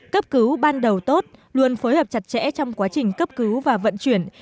cấp cứu ban đầu tốt luôn phối hợp chặt chẽ trong quá trình cấp cứu và vận chuyển